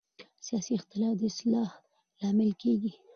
سیاسي اختلاف د اصلاح لامل کېږي